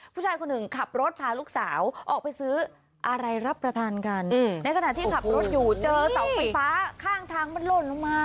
ผู้ชายคนหนึ่งขับรถพาลูกสาวออกไปซื้ออะไรรับประทานกันในขณะที่ขับรถอยู่เจอเสาไฟฟ้าข้างทางมันหล่นลงมา